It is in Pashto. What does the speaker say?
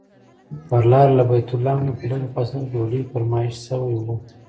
پر لاره له بیت لحم نه په لږه فاصله کې ډوډۍ فرمایش شوی و.